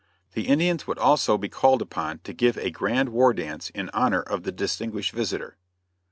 The Indians would also be called upon to give a grand war dance in honor of the distinguished visitor.